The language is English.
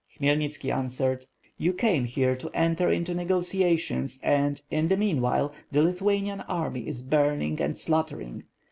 Khmyelnitski answered: "You came here to enter into negotiations and, in the meanwhile, the Lithuanian army is burning and slaughtering.